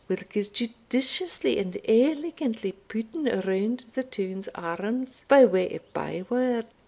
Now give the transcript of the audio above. whilk is judiciously and elegantly putten round the town's arms, by way of by word.